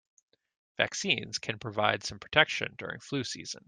Vaccines can provide some protection during flu season.